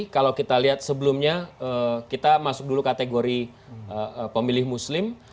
kalau kita lihat sebelumnya kita masuk dulu kategori pemilih muslim